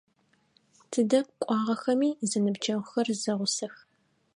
Тыдэ кӏуагъэхэми, зэныбджэгъухэр зэгъусэх.